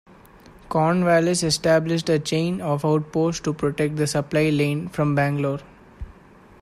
Cornwallis established a chain of outposts to protect the supply line from Bangalore.